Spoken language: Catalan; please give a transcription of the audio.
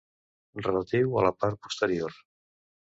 Relatiu a la part posterior.